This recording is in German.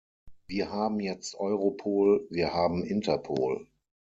Wir haben jetzt Europol, wir haben Interpol.